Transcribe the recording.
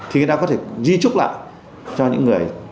thì người ta có thể di trúc lại cho những người